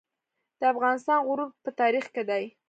د افغانستان غرور په تاریخ کې دی